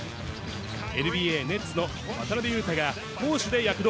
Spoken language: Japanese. ＮＢＡ・ネッツの渡邊雄太が、攻守で躍動。